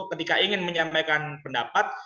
ketika ingin menyampaikan pendapat